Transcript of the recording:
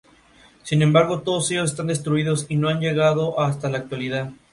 Es una de las fronteras exteriores de la Unión Europea.